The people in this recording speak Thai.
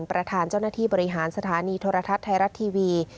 ประธานเจ้าหน้าที่บริหารสถานีโทรทัศน์ไทยรัฐทีวี